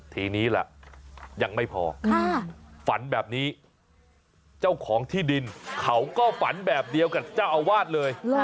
ทีนี้ล่ะยังไม่พอฝันแบบนี้เจ้าของที่ดินเขาก็ฝันแบบเดียวกับเจ้าอาวาสเลย